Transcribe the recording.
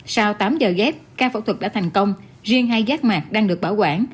sau tám giờ ghép ca phẫu thuật đã thành công riêng hai gác mạc đang được bảo quản